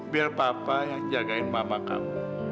biar papa yang jagain mama kamu